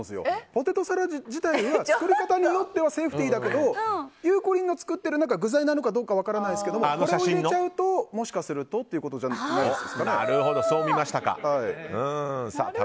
ポテトサラダ自体は作り方によってはセーフティーだけどゆうこりんが作っている具材なのかどうか分からないですけどこれを入れちゃうともしかするとなるほど、そう見ましたか。